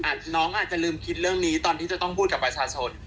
น้องอาจจะลืมคิดเรื่องนี้ตอนที่จะต้องพูดกับประชาชน